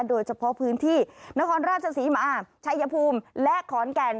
โดยเฉพาะพื้นที่นครราชศรีมาชัยภูมิและขอนแก่น